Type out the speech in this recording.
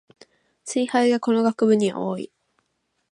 ツイ廃がこの学部には多い